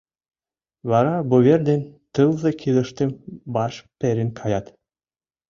Вара вувер ден тылзе кидыштым ваш перен каят: